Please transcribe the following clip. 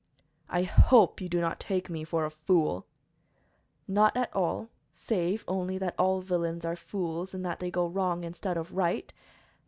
"I hope you do not take me for a fool." "Not at all, save only that all villains are fools in that they go wrong instead of right."